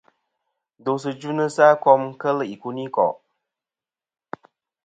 Ndosɨ dvɨnɨsɨ a kom nɨn kel ikunikò'.